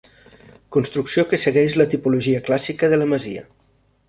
Construcció que segueix la tipologia clàssica de la masia.